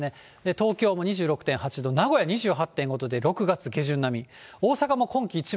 東京も２６．８度、名古屋２８．５度で６月下旬並み。